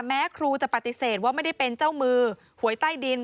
แม้ครูจะปฏิเสธว่าไม่ได้เป็นเจ้ามือหวยใต้ดิน